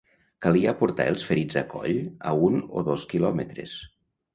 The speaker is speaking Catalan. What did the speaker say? Calia portar els ferits a coll a un o dos quilòmetres